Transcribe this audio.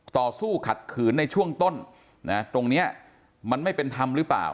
ต่อสู้ขัดขืนในช่วงต้นนะตรงนี้มันไม่เป็นธรรมหรือเปล่า